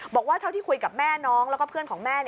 บอกว่าเท่าที่คุยกับแม่น้องแล้วก็เพื่อนของแม่